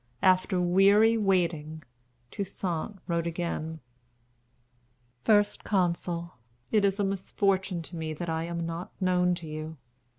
After weary waiting, Toussaint wrote again: "First Consul, it is a misfortune to me that I am not known to you.